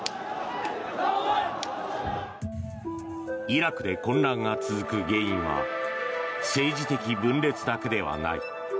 イラクで混乱が続く原因は政治的分裂だけではない。